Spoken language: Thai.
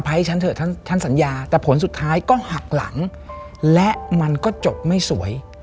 ให้ฉันเถอะฉันสัญญาแต่ผลสุดท้ายก็หักหลังและมันก็จบไม่สวย